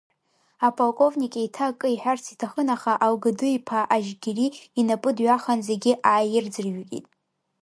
Аполковник еиҭа акы иҳәарц иҭахын, аха Алгыды-иԥа ажьгьери инапы дҩахан зегьы ааирӡҩрит.